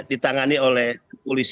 ditangani oleh polisi